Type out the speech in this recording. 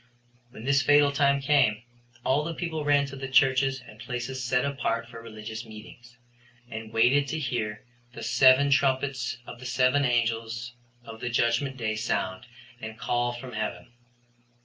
When this fatal time came, all the people ran to the churches and places set apart for religious meetings, and waited to hear the seven trumpets of the seven angels of the judgment day sound and call from heaven.